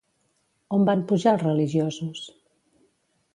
On van pujar els religiosos?